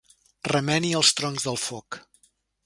Remeni els troncs del foc.